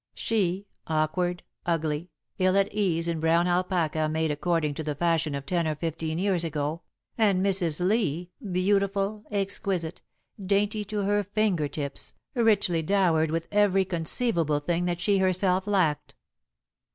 She, awkward, ugly, ill at ease in brown alpaca made according to the fashion of ten or fifteen years ago, and Mrs. Lee, beautiful, exquisite, dainty to her finger tips, richly dowered with every conceivable thing that she herself lacked.